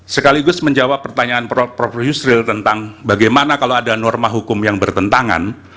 sekaligus menjawab pertanyaan prof yusril tentang bagaimana kalau ada norma hukum yang bertentangan